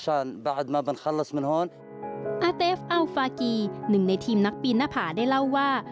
อาเตฟอัลฟากีหนึ่งในทีมนักปีนหน้าผาได้เล่าว่า